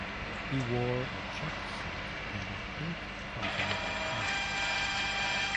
He wore a check suit and a pink cotton bow-tie.